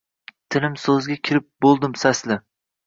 Tilim so‘zga kirib bo‘ldim sasli ham –